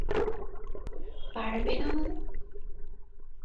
পারবে না মানে?